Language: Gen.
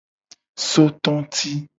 Sototi.